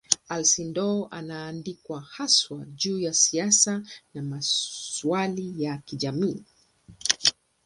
Alcindor anaandikwa haswa juu ya siasa na masuala ya kijamii.